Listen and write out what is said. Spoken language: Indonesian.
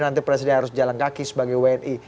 nanti presiden harus jalan kaki sebagai wni